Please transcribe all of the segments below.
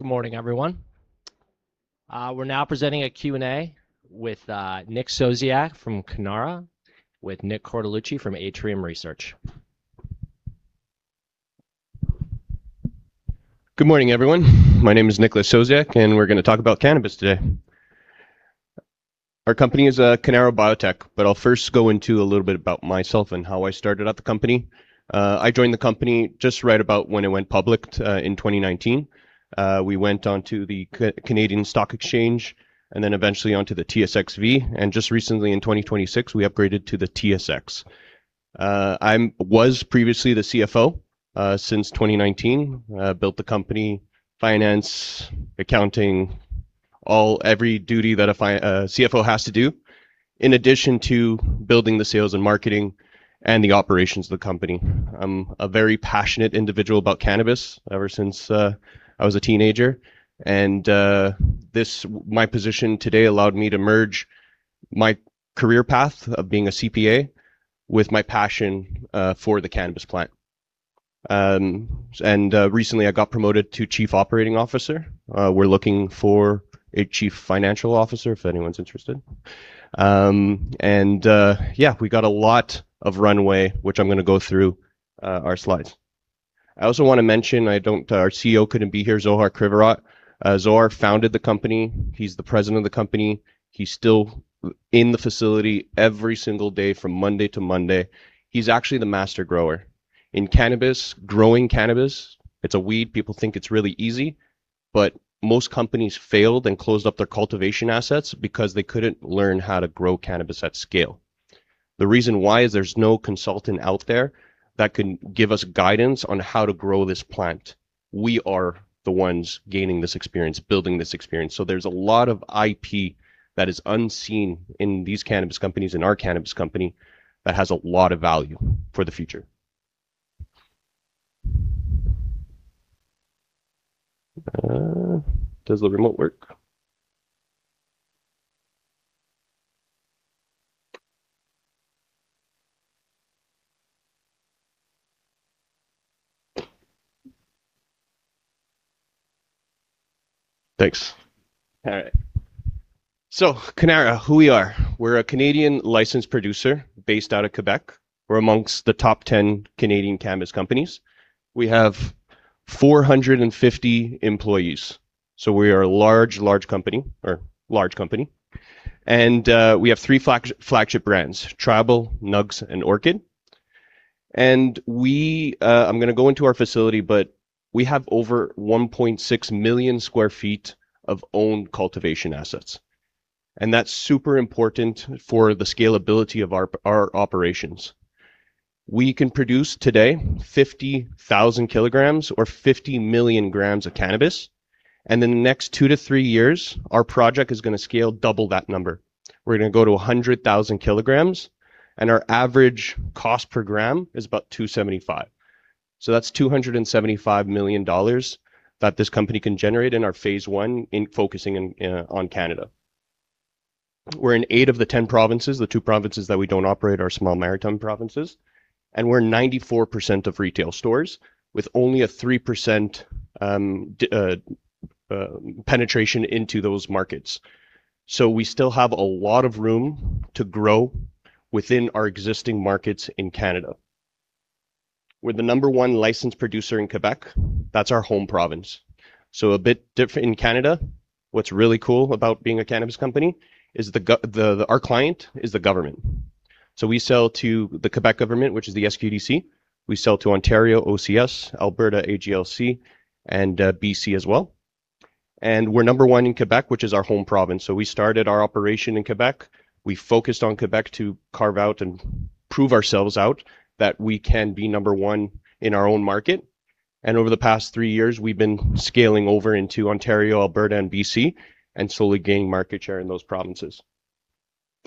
Good morning, everyone. We are now presenting a Q&A with Nick Sosiak from Cannara, with Nick Cortellucci from Atrium Research. Good morning, everyone. My name is Nick Sosiak, we are going to talk about cannabis today. Our company is Cannara Biotech, I will first go into a little bit about myself and how I started at the company. I joined the company just right about when it went public in 2019. We went on to the Canadian Securities Exchange, eventually onto the TSXV, just recently, in 2026, we upgraded to the TSX. I was previously the CFO since 2019. Built the company finance, accounting, every duty that a CFO has to do, in addition to building the sales and marketing and the operations of the company. I am a very passionate individual about cannabis ever since I was a teenager, my position today allowed me to merge my career path of being a CPA with my passion for the cannabis plant. Recently, I got promoted to Chief Operating Officer. We are looking for a Chief Financial Officer, if anyone is interested. Yeah, we got a lot of runway, which I am going to go through our slides. I also want to mention, our CEO couldn't be here, Zohar Krivorot. Zohar founded the company. He is the president of the company. He is still in the facility every single day from Monday to Monday. He is actually the master grower. In cannabis, growing cannabis, it is a weed, people think it is really easy, most companies failed and closed up their cultivation assets because they couldn't learn how to grow cannabis at scale. The reason why is there is no consultant out there that can give us guidance on how to grow this plant. We are the ones gaining this experience, building this experience. There is a lot of IP that is unseen in these cannabis companies, in our cannabis company, that has a lot of value for the future. Does the remote work? Thanks. All right. Cannara, who we are. We are a Canadian licensed producer based out of Quebec. We are amongst the top 10 Canadian cannabis companies. We have 450 employees, we are a large company. We have three flagship brands, Tribal, Nugz, and Orchid. I am going to go into our facility, we have over 1.6 million square feet of owned cultivation assets, that is super important for the scalability of our operations. We can produce today 50,000 kgs or 50 million grams of cannabis, in the next two to three years, our project is going to scale double that number. We are going to go to 100,000 kgs, our average cost per gram is about 2.75. That's 275 million dollars that this company can generate in our phase one in focusing on Canada. We're in eight of the 10 provinces. The two provinces that we don't operate are small maritime provinces. We're 94% of retail stores with only a 3% penetration into those markets. We still have a lot of room to grow within our existing markets in Canada. We're the number one licensed producer in Quebec. That's our home province. A bit different in Canada. What's really cool about being a cannabis company is our client is the government. We sell to the Quebec government, which is the SQDC. We sell to Ontario OCS, Alberta AGLC, and BC as well. We're number one in Quebec, which is our home province. We started our operation in Quebec. We focused on Quebec to carve out and prove ourselves out that we can be number one in our own market. Over the past three years, we've been scaling over into Ontario, Alberta, and BC and slowly gaining market share in those provinces.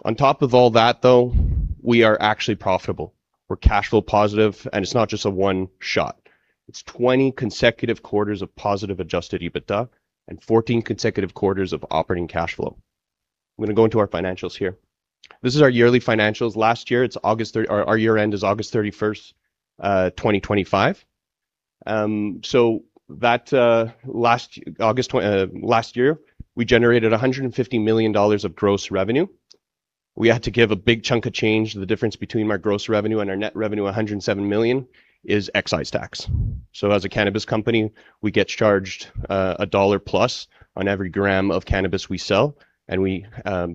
On top of all that, though, we are actually profitable. We're cash flow positive, and it's not just a one-shot. It's 20 consecutive quarters of positive adjusted EBITDA and 14 consecutive quarters of operating cash flow. I'm going to go into our financials here. This is our yearly financials. Last year, our year end is August 31, 2025. Last year, we generated 150 million dollars of gross revenue. We had to give a big chunk of change. The difference between our gross revenue and our net revenue, 107 million, is excise tax. As a cannabis company, we get charged CAD 1+ on every gram of cannabis we sell, and we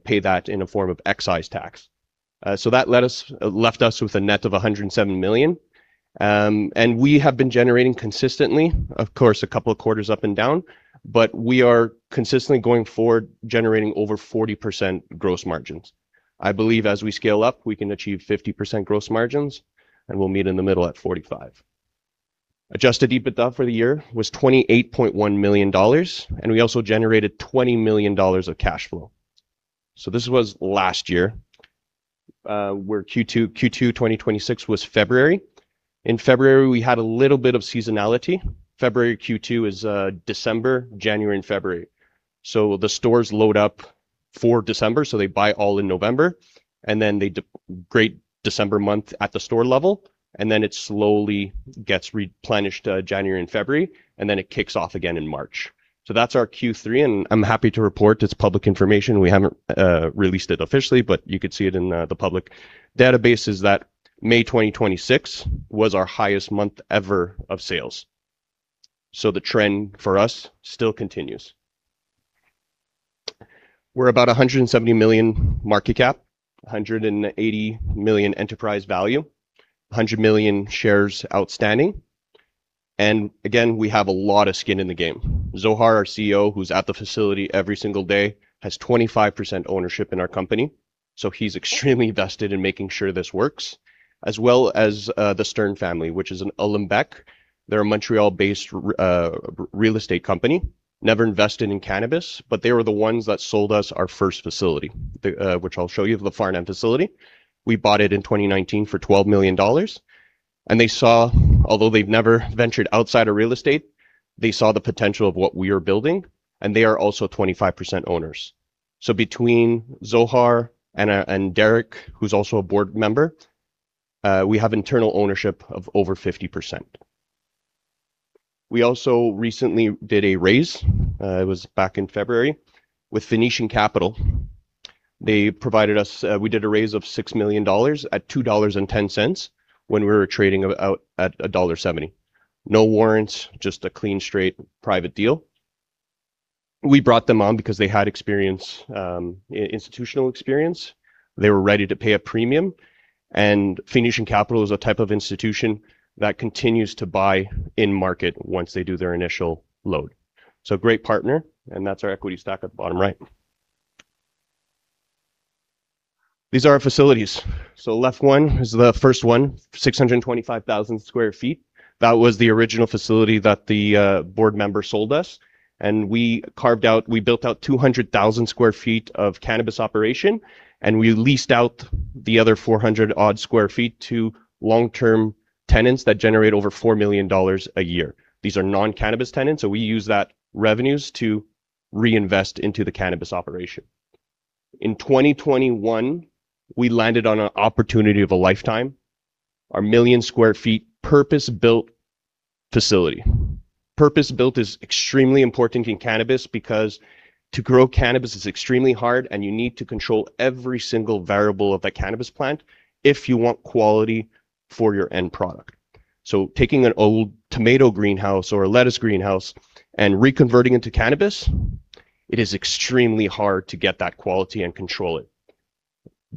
pay that in a form of excise tax. That left us with a net of 107 million. We have been generating consistently, of course, a couple of quarters up and down, but we are consistently going forward generating over 40% gross margins. I believe as we scale up, we can achieve 50% gross margins, and we'll meet in the middle at 45%. Adjusted EBITDA for the year was 28.1 million dollars, and we also generated 20 million dollars of cash flow. This was last year, where Q2 2026 was February. In February, we had a little bit of seasonality. February Q2 is December, January, and February. The stores load up for December, they buy all in November, they degrade December month at the store level, it slowly gets replenished January and February, and it kicks off again in March. That's our Q3, and I'm happy to report, it's public information. We haven't released it officially, but you could see it in the public databases that May 2026 was our highest month ever of sales. The trend for us still continues. We're about 170 million market cap, 180 million enterprise value, 100 million shares outstanding. Again, we have a lot of skin in the game. Zohar, our CEO, who's at the facility every single day, has 25% ownership in our company, so he's extremely invested in making sure this works, as well as the Stern family, which is in Olymbec. They're a Montreal-based real estate company. They were the ones that sold us our first facility, which I'll show you, the Farnham facility. We bought it in 2019 for 12 million dollars. Although they've never ventured outside of real estate, they saw the potential of what we are building, they are also 25% owners. Between Zohar and Derek, who's also a board member, we have internal ownership of over 50%. We also recently did a raise, it was back in February, with Phoenician Capital. We did a raise of 6 million dollars at 2.10 dollars when we were trading out at dollar 1.70. No warrants, just a clean, straight private deal. We brought them on because they had institutional experience. They were ready to pay a premium, Phoenician Capital is a type of institution that continues to buy in-market once they do their initial load. Great partner, that's our equity stack at the bottom right. These are our facilities. Left one is the first one, 625,000 sq ft. That was the original facility that the board member sold us. We built out 200,000 sq ft of cannabis operation, we leased out the other 400-odd sq ft to long-term tenants that generate over 4 million dollars a year. These are non-cannabis tenants, we use that revenues to reinvest into the cannabis operation. In 2021, we landed on an opportunity of a lifetime, our 1 million square feet purpose-built facility. Purpose-built is extremely important in cannabis because to grow cannabis is extremely hard and you need to control every single variable of that cannabis plant if you want quality for your end product. Taking an old tomato greenhouse or a lettuce greenhouse and reconverting into cannabis, it is extremely hard to get that quality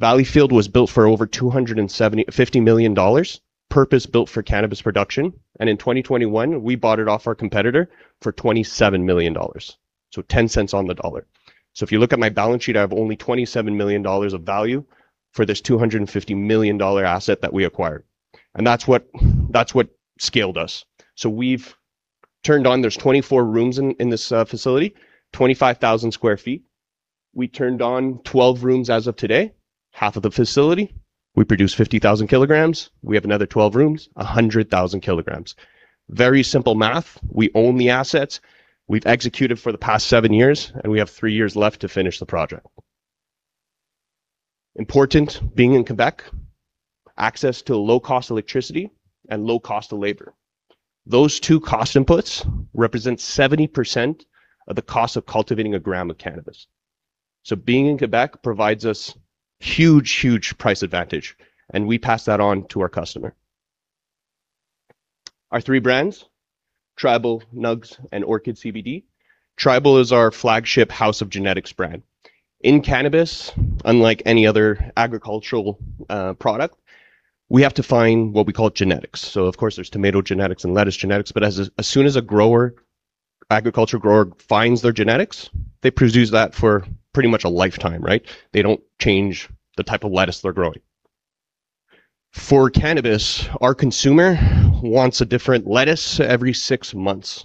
and control it. Valleyfield was built for over 250 million dollars, purpose-built for cannabis production. In 2021, we bought it off our competitor for 27 million dollars. 0.10 on the dollar. If you look at my balance sheet, I have only 27 million dollars of value for this 250 million dollar asset that we acquired. That's what scaled us. We've turned on, there's 24 rooms in this facility, 25,000 sq ft. We turned on 12 rooms as of today, half of the facility. We produce 50,000 kgs. We have another 12 rooms, 100,000 kgs. Very simple math. We own the assets. We've executed for the past seven years, we have three years left to finish the project. Important, being in Quebec, access to low-cost electricity and low-cost labor. Those two cost inputs represent 70% of the cost of cultivating a gram of cannabis. Being in Quebec provides us huge price advantage, we pass that on to our customer. Our three brands, Tribal, Nugz, and Orchid CBD. Tribal is our flagship house of genetics brand. In cannabis, unlike any other agricultural product, we have to find what we call genetics. Of course, there's tomato genetics and lettuce genetics, as soon as a agriculture grower finds their genetics, they produce that for pretty much a lifetime. They don't change the type of lettuce they're growing. For cannabis, our consumer wants a different lettuce every six months.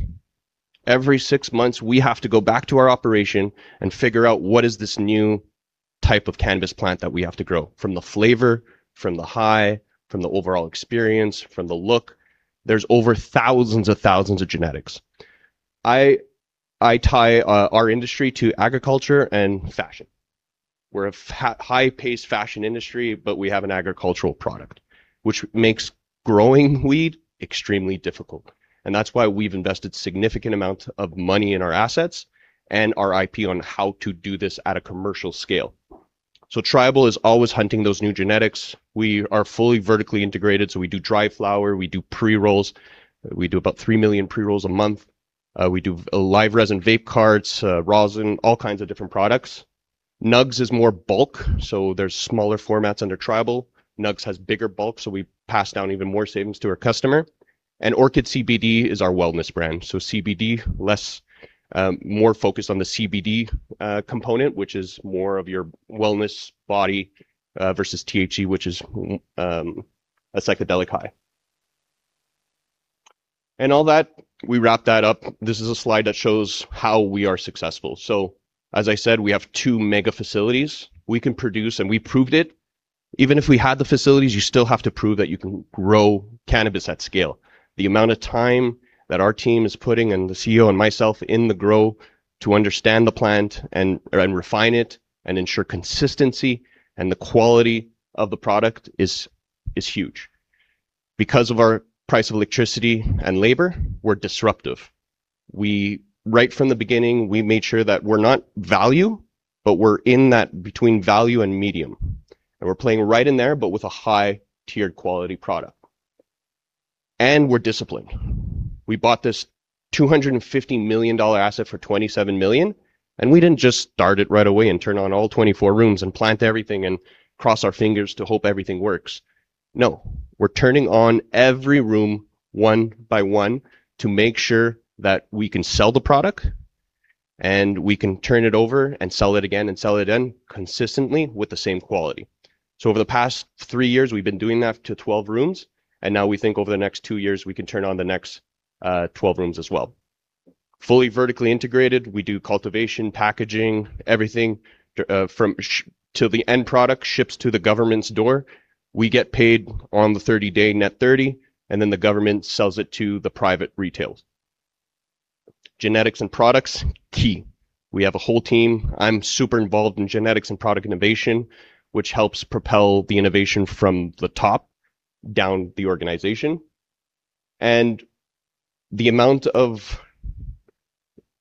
Every six months, we have to go back to our operation and figure out what is this new type of cannabis plant that we have to grow. From the flavor, from the high, from the overall experience, from the look. There's over thousands of thousands of genetics. I tie our industry to agriculture and fashion. We're a high-pace fashion industry, but we have an agricultural product, which makes growing weed extremely difficult. That's why we've invested significant amount of money in our assets and our IP on how to do this at a commercial scale. Tribal is always hunting those new genetics. We are fully vertically integrated, so we do dry flower, we do pre-rolls. We do about three million pre-rolls a month. We do live resin vape carts, rosin, all kinds of different products. Nugz is more bulk, so there's smaller formats under Tribal. Nugz has bigger bulk, so we pass down even more savings to our customer. Orchid CBD is our wellness brand. CBD, more focused on the CBD component, which is more of your wellness body versus THC, which is a psychedelic high. All that, we wrap that up. This is a slide that shows how we are successful. As I said, we have two mega facilities. We can produce, and we proved it Even if we had the facilities, you still have to prove that you can grow cannabis at scale. The amount of time that our team is putting, and the CEO and myself, in the grow to understand the plant and then refine it and ensure consistency and the quality of the product is huge. Because of our price of electricity and labor, we're disruptive. Right from the beginning, we made sure that we're not value, but we're in that between value and medium, and we're playing right in there, but with a high-tiered quality product. We're disciplined. We bought this 250 million dollar asset for 27 million. We didn't just start it right away and turn on all 24 rooms and plant everything and cross our fingers to hope everything works. No. We're turning on every room one by one to make sure that we can sell the product, and we can turn it over and sell it again and sell it again consistently with the same quality. Over the past three years, we've been doing that to 12 rooms, and now we think over the next two years, we can turn on the next 12 rooms as well. Fully vertically integrated. We do cultivation, packaging, everything. Till the end product ships to the government's door. We get paid on the 30-day net 30. The government sells it to the private retails. Genetics and products, key. We have a whole team. I'm super involved in genetics and product innovation, which helps propel the innovation from the top down the organization. The amount of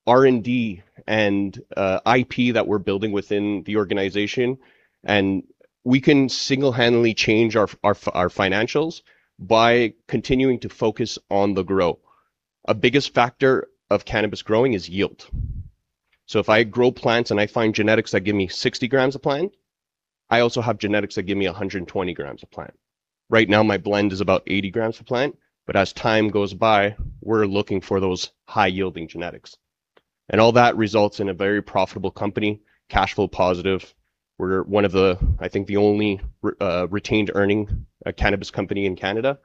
R&D and IP that we're building within the organization. We can single-handedly change our financials by continuing to focus on the grow. A biggest factor of cannabis growing is yield. If I grow plants and I find genetics that give me 60 g a plant, I also have genetics that give me 120 g a plant. Right now, my blend is about 80 g a plant. As time goes by, we're looking for those high-yielding genetics. All that results in a very profitable company, cash flow positive. We're one of the, I think, the only retained earnings cannabis company in Canada.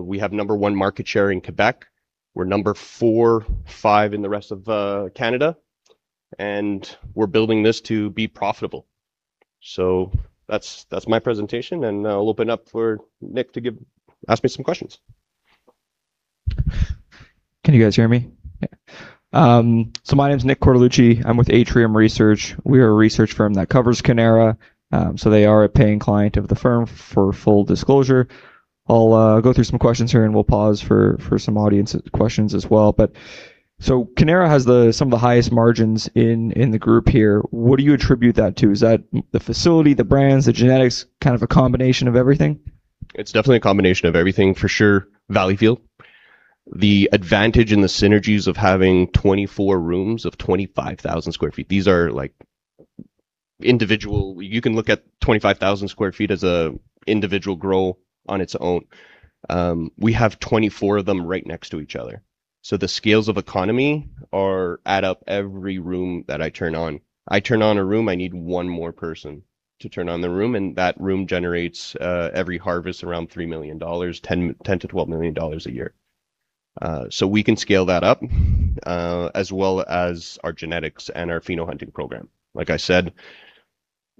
We have number one market share in Quebec. We're number four, five in the rest of Canada. We're building this to be profitable. That's my presentation, and I'll open up for Nick to ask me some questions. Can you guys hear me? Yeah. My name's Nick Cortellucci. I'm with Atrium Research. We are a research firm that covers Cannara. They are a paying client of the firm, for full disclosure. I'll go through some questions here, and we'll pause for some audience questions as well. Cannara has some of the highest margins in the group here. What do you attribute that to? Is that the facility, the brands, the genetics, kind of a combination of everything? It's definitely a combination of everything, for sure. Valleyfield. The advantage in the synergies of having 24 rooms of 25,000 sq ft. These are individual. You can look at 25,000 sq ft as an individual grow on its own. We have 24 of them right next to each other. The scales of economy add up every room that I turn on. I turn on a room, I need one more person to turn on the room, and that room generates every harvest around 3 million dollars, 10 million-12 million dollars a year. We can scale that up. As well as our genetics and our pheno hunting program. Like I said,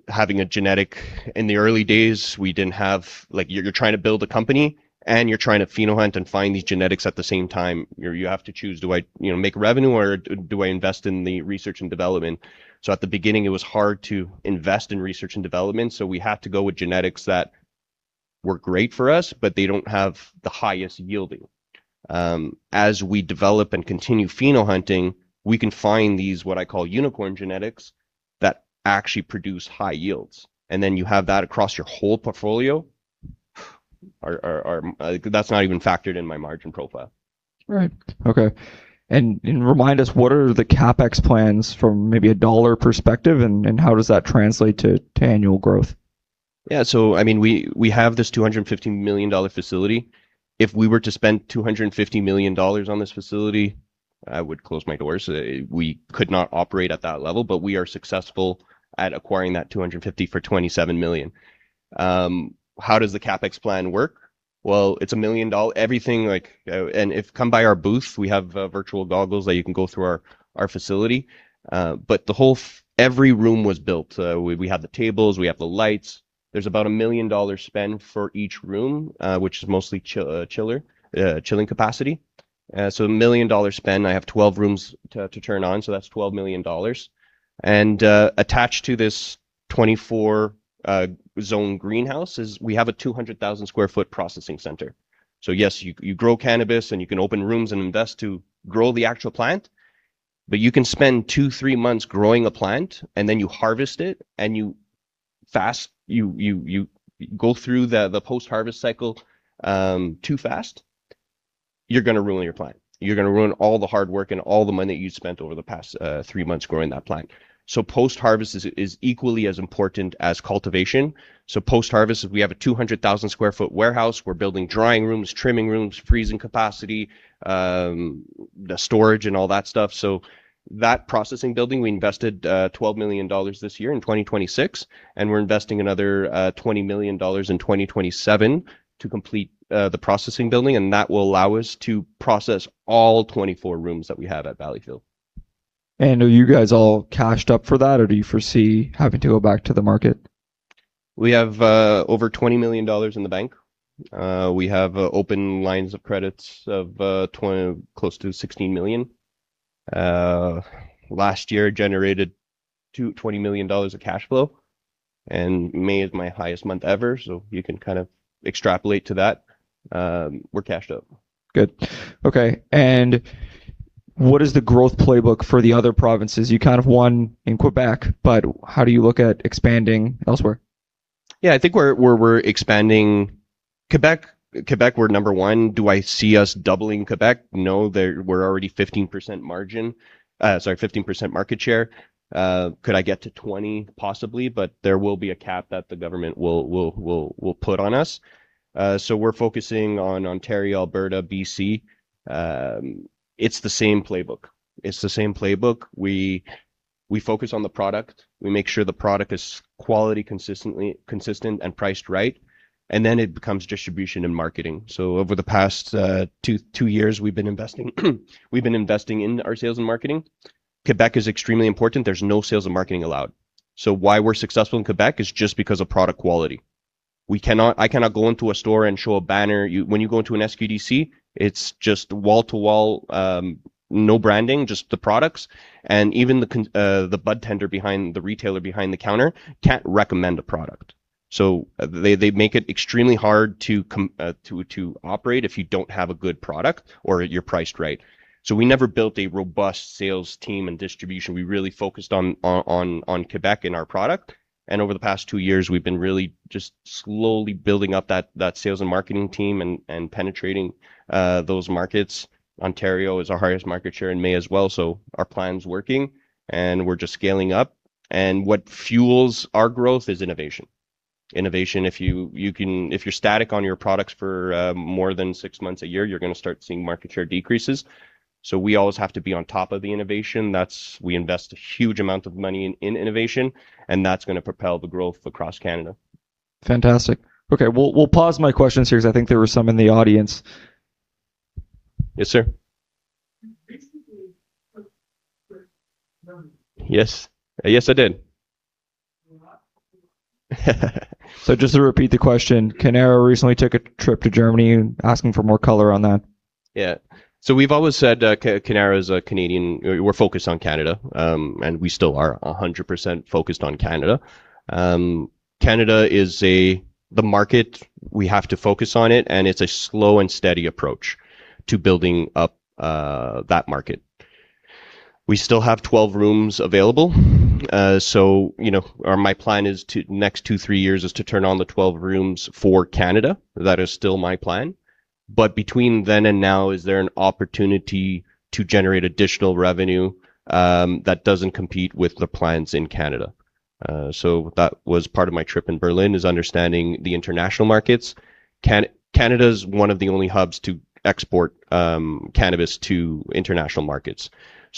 having a genetic in the early days, we didn't have You're trying to build a company, and you're trying to pheno hunt and find these genetics at the same time. You have to choose, do I make revenue, or do I invest in the research and development? At the beginning, it was hard to invest in research and development. We had to go with genetics that were great for us, but they don't have the highest yielding. As we develop and continue pheno hunting, we can find these, what I call unicorn genetics, that actually produce high yields. Then you have that across your whole portfolio. That's not even factored in my margin profile. Right. Okay. Remind us, what are the CapEx plans from maybe a Canadian dollar perspective, and how does that translate to annual growth? Yeah. We have this 250 million dollar facility. If we were to spend 250 million dollars on this facility, I would close my doors. We could not operate at that level, but we are successful at acquiring that 250 million for 27 million. How does the CapEx plan work? It's a 1 million dollars. If you come by our booth, we have virtual goggles that you can go through our facility. Every room was built. We have the tables, we have the lights. There's about a 1 million dollars spend for each room, which is mostly chilling capacity. A 1 million dollar spend. I have 12 rooms to turn on, so that's 12 million dollars. Attached to this 24-zone greenhouse is we have a 200,000 sq ft processing center. Yes, you grow cannabis, and you can open rooms and invest to grow the actual plant. You can spend two, three months growing a plant, and then you harvest it, and you go through the post-harvest cycle too fast, you're going to ruin your plant. You're going to ruin all the hard work and all the money that you spent over the past three months growing that plant. Post-harvest is equally as important as cultivation. Post-harvest is we have a 200,000 sq ft warehouse. We're building drying rooms, trimming rooms, freezing capacity, the storage, and all that stuff. That processing building, we invested 12 million dollars this year in 2026, and we're investing another 20 million dollars in 2027 to complete the processing building, and that will allow us to process all 24 rooms that we have at Valleyfield. Are you guys all cashed up for that, or do you foresee having to go back to the market? We have over 20 million dollars in the bank. We have open lines of credits of close to 16 million. Last year generated 20 million dollars of cash flow. May is my highest month ever, you can kind of extrapolate to that. We're cashed up. Good. Okay. What is the growth playbook for the other provinces? You kind of won in Quebec, how do you look at expanding elsewhere? Yeah. I think we're expanding. Quebec, we're number one. Do I see us doubling Quebec? No. We're already 15% margin. Sorry, 15% market share. Could I get to 20? Possibly, there will be a cap that the government will put on us. We're focusing on Ontario, Alberta, BC. It's the same playbook. We focus on the product. We make sure the product is quality, consistent, and priced right, then it becomes distribution and marketing. Over the past two years, we've been investing in our sales and marketing. Quebec is extremely important. There's no sales and marketing allowed. Why we're successful in Quebec is just because of product quality. I cannot go into a store and show a banner. When you go into an SQDC, it's just wall-to-wall, no branding, just the products. Even the budtender behind the retailer behind the counter can't recommend a product. They make it extremely hard to operate if you don't have a good product or you're priced right. We never built a robust sales team and distribution. We really focused on Quebec and our product. Over the past two years, we've been really just slowly building up that sales and marketing team and penetrating those markets. Ontario is our highest market share in May as well, our plan's working, we're just scaling up. What fuels our growth is innovation. If you're static on your products for more than six months a year, you're going to start seeing market share decreases. We always have to be on top of the innovation. We invest a huge amount of money in innovation, that's going to propel the growth across Canada. Fantastic. Okay. We'll pause my questions here because I think there were some in the audience. Yes, sir. You basically took a trip to Germany. Yes. Yes, I did. Is there a lot to do there? Just to repeat the question, Cannara recently took a trip to Germany and asking for more color on that. We've always said Cannara is a Canadian. We're focused on Canada, and we still are 100% focused on Canada. Canada is the market. We have to focus on it, and it's a slow and steady approach to building up that market. We still have 12 rooms available. My plan is next two, three years is to turn on the 12 rooms for Canada. That is still my plan. Between then and now, is there an opportunity to generate additional revenue that doesn't compete with the plans in Canada? That was part of my trip in Berlin, is understanding the international markets. Canada's one of the only hubs to export cannabis to international markets.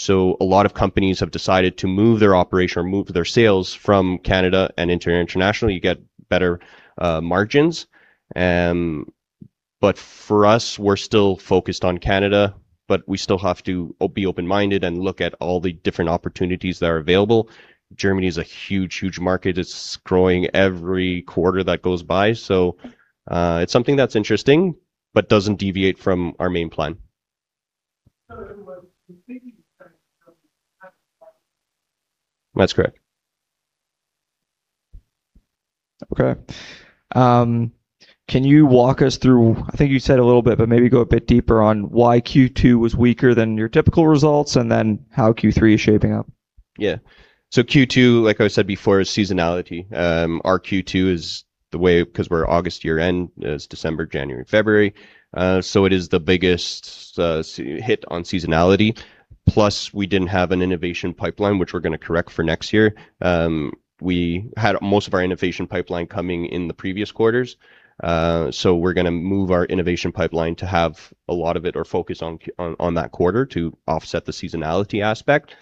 A lot of companies have decided to move their operation or move their sales from Canada and internationally. You get better margins. For us, we're still focused on Canada, but we still have to be open-minded and look at all the different opportunities that are available. Germany is a huge, huge market. It's growing every quarter that goes by. It's something that's interesting but doesn't deviate from our main plan. In other words. That's correct. Okay. Can you walk us through, I think you said a little bit, but maybe go a bit deeper on why Q2 was weaker than your typical results and then how Q3 is shaping up. Q2, like I said before, is seasonality. Our Q2 is the way, because we're an August year-end, is December, January, February. It is the biggest hit on seasonality. Plus, we didn't have an innovation pipeline, which we're going to correct for next year. We had most of our innovation pipeline coming in the previous quarters. We're going to move our innovation pipeline to have a lot of it or focus on that quarter to offset the seasonality aspect.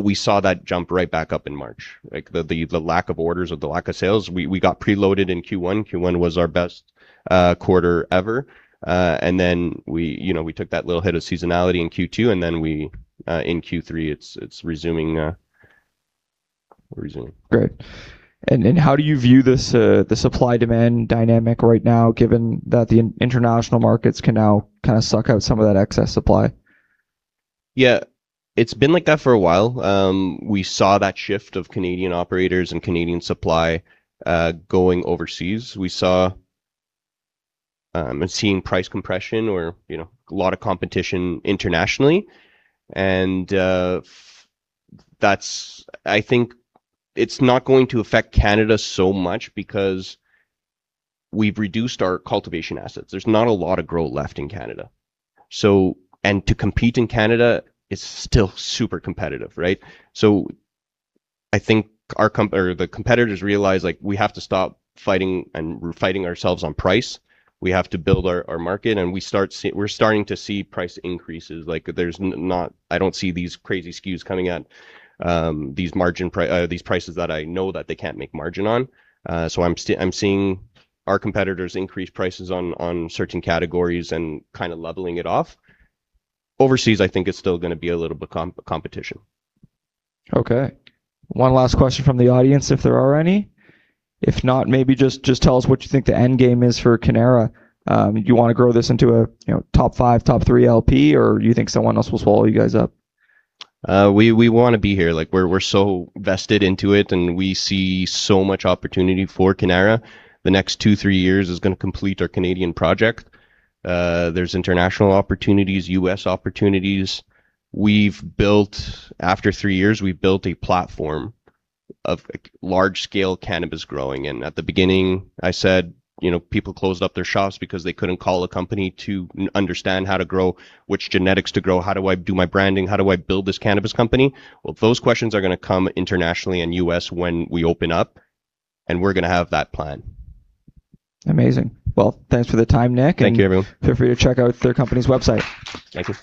We saw that jump right back up in March. The lack of orders or the lack of sales, we got preloaded in Q1. Q1 was our best quarter ever. Then we took that little hit of seasonality in Q2, then in Q3 it's resuming. Great. How do you view the supply-demand dynamic right now, given that the international markets can now kind of suck out some of that excess supply? Yeah. It's been like that for a while. We saw that shift of Canadian operators and Canadian supply going overseas. We're seeing price compression or a lot of competition internationally. I think it's not going to affect Canada so much because we've reduced our cultivation assets. There's not a lot of growth left in Canada. To compete in Canada is still super competitive, right? I think the competitors realize, "We have to stop fighting, and we're fighting ourselves on price. We have to build our market." We're starting to see price increases. I don't see these crazy SKU coming at these prices that I know that they can't make margin on. I'm seeing our competitors increase prices on certain categories and kind of leveling it off. Overseas, I think it's still going to be a little bit of competition. Okay. One last question from the audience, if there are any. If not, maybe just tell us what you think the end game is for Cannara. Do you want to grow this into a top five, top three LP, or do you think someone else will swallow you guys up? We want to be here. We're so vested into it, and we see so much opportunity for Cannara. The next two, three years is going to complete our Canadian project. There's international opportunities, U.S. opportunities. After three years, we've built a platform of large-scale cannabis growing. At the beginning, I said people closed up their shops because they couldn't call a company to understand how to grow, which genetics to grow. How do I do my branding? How do I build this cannabis company? Well, those questions are going to come internationally and U.S. when we open up, and we're going to have that plan. Amazing. Well, thanks for the time, Nick. Thank you, Nick. Feel free to check out their company's website. Thank you.